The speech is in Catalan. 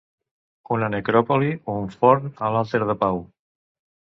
Una necròpoli, un forn, a l'Alter de Pau.